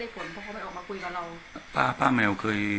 แต่ตามเขาไม่ได้ผลเพราะเขาไม่ออกมาคุยกับเรา